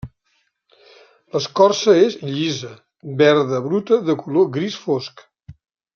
L'escorça és llisa, verda bruta de color gris fosc.